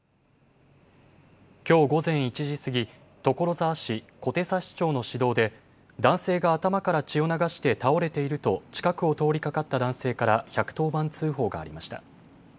きょう午前１時過ぎ、所沢市小手指町の市道で男性が頭から血を流して倒れていると近くを通りかかった男性から１１０番通報がありました。